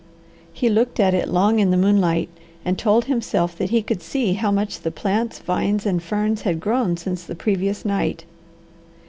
He looked at it long in the moonlight and told himself that he could see how much the plants, vines, and ferns had grown since the previous night.